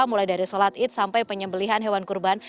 mulai dari sholat id sampai penyembelihan hewan kurban